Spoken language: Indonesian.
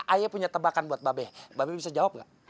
ayah punya tebakan buat mbah be mbah be bisa jawab gak